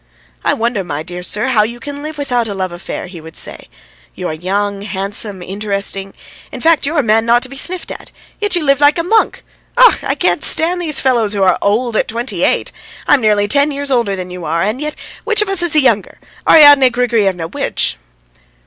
"I wonder, my dear sir, how you can live without a love affair," he would say. "You are young, handsome, interesting in fact, you're a man not to be sniffed at, yet you live like a monk. Och! I can't stand these fellows who are old at twenty eight! I'm nearly ten years older than you are, and yet which of us is the younger? Ariadne Grigoryevna, which?"